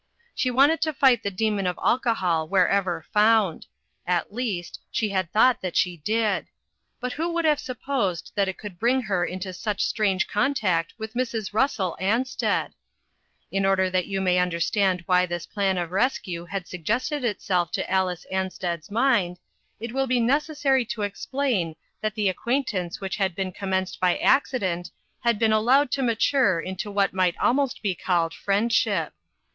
She wanted to fight the demon of alcohol wherever found at least, she had thought that she did ; but who would have supposed that it could bring her into such strange contact with Mrs. Russel Ansted? In order that you may understand why this plan of rescue had suggested itself to Alice Ansted's mind, it will be necessary to explain that the acquaintance which had been commenced by accident had been al lowed to mature into what might almost be called friendship. 347 348 INTERRUPTED.